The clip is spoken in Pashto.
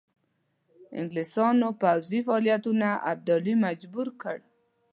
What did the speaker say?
انګلیسیانو پوځي فعالیتونو ابدالي مجبور کړ.